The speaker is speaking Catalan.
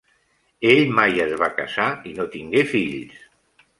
Ell mai es va casar i no tingué fills.